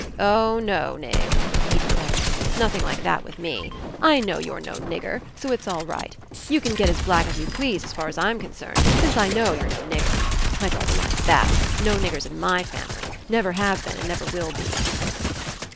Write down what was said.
"Oh, no. Nig," he declared, "nothing like that with me. I know you're no nigger, so it's all right. You can get as black as you please as far as I'm concerned, since I know you're no nigger. I draw the line at that. No niggers in my family. Never have been and never will be."